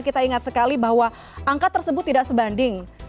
kita ingat sekali bahwa angka tersebut tidak sebanding